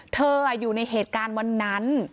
อยู่ในเหตุการณ์วันนั้น